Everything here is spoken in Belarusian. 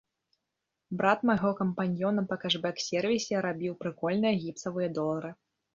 Брат майго кампаньёна па кэшбэк-сервісе рабіў прыкольныя гіпсавыя долары.